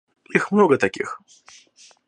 Их много таких.